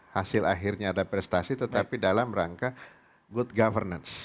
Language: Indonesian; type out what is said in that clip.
hasil akhirnya ada prestasi tetapi dalam rangka good governance